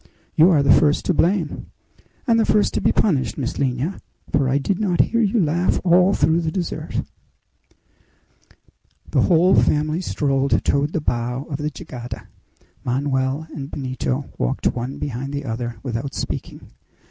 "You are the first to blame!" "And the first to be punished, Miss Lina; for I did not hear you laugh all through the dessert." The whole family strolled toward the bow of the jangada. Manoel and Benito walked one behind the other without speaking.